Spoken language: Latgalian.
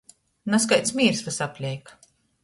Nazkaids mīrs vysapleik...